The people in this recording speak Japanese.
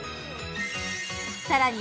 さらに